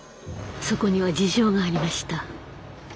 そこには事情がありました。